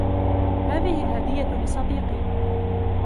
هذه الهدية لصديقي.